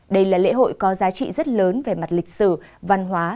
đây là lễ hội có giá trị rất lớn về mặt lịch sử văn hóa